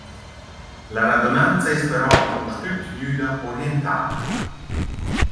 La radunanza es però impustüt gnüda orientada.